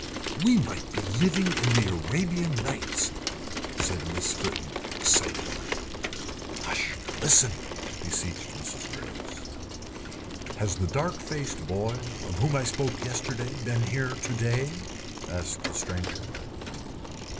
"We might be living in the Arabian Nights," said Miss Fritten, excitedly. "Hush! Listen," beseeched Mrs. Greyes. "Has the dark faced boy, of whom I spoke yesterday, been here to day?" asked the stranger.